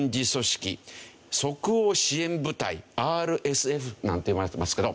即応支援部隊ＲＳＦなんて呼ばれてますけど。